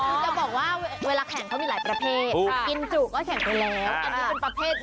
มึงจะบอกว่าเวลาแข่งเขามีแหละประเภท